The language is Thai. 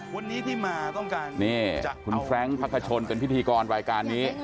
วันนี้ที่มาต้องการนี่คุณแฟรงค์พักขชนเป็นพิธีกรรายการนี้